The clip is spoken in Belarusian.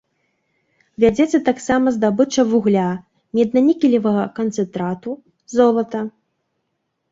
Вядзецца таксама здабыча вугля, медна-нікелевага канцэнтрату, золата.